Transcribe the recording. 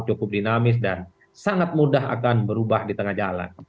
cukup dinamis dan sangat mudah akan berubah di tengah jalan